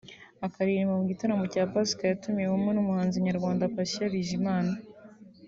akaririmba mu gitaramo cya Pasika yatumiwemo n'umuhanzi nyarwanda Patient Bizimana